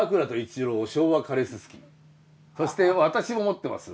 そして私も持ってます。